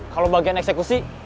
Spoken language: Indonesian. kalo bagian eksekusi